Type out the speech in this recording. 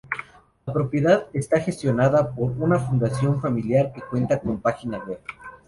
La propiedad está gestionada por una fundación familiar que cuenta con página web.